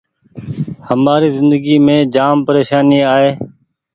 همآري زندگي مينٚ جآم پريشاني آئي